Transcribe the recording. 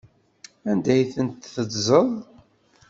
Anda ay tent-teddzeḍ?